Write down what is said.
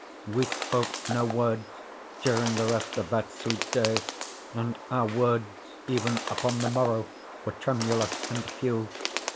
We spoke no words during the rest of that sweet day, and our words even upon the morrow were tremulous and few.